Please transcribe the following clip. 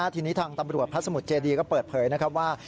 ทีนี้ทางตำรวจพระสมุทรเจดีก็เปิดเผยนะครับว่า